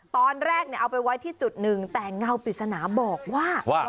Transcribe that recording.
ตอนแรกเอาไปไว้ที่จุดหนึ่งแต่เงาปริศนาบอกว่า